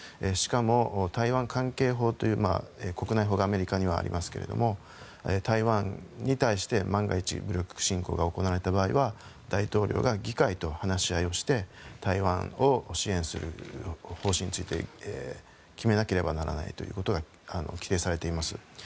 しかも、台湾関係法という法がアメリカにはありますけれども台湾に対して万が一武力侵攻が行われた場合は大統領が議会と話し合いをして台湾を支援する方針について決めなければならないと規定されています。